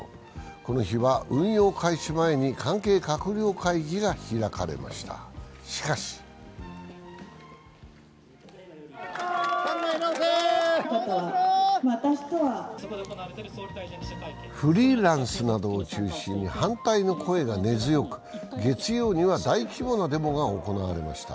この日は運用開始前に関係閣僚会議が開かれました、しかしフリーランスなどを中心に反対の声が根強く月曜には大規模なデモが行われました。